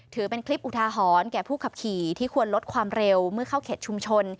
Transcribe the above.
ถือเป็นคลิปอุทาหรณ์แก่ผู้ขับขี่ที่ควรลดความเร็วเมื่อเข้าเขตชุมชน